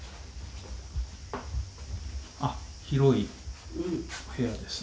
「あっ広い部屋ですね」